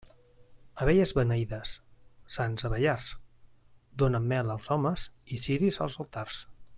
Abelles beneïdes, sants abellars, donen mel als homes i ciris als altars.